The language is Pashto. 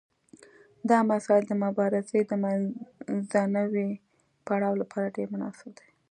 دا مسایل د مبارزې د منځنیو پړاوونو لپاره ډیر مناسب دي.